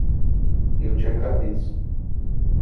Eu te agradeço.